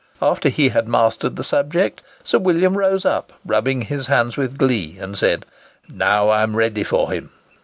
After he had mastered the subject, Sir William rose up, rubbing his hands with glee, and said, "Now I am ready for him."